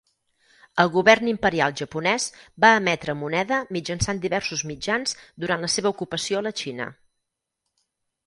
El Govern Imperial Japonès va emetre moneda mitjançant diversos mitjans durant la seva ocupació a la Xina.